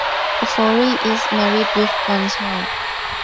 Ofori is married with one child.